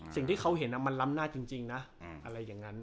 สิ่งที่เขาเห็นอ่ะมันลำหน้าจริงจริงนะอืมอะไรอย่างนั้น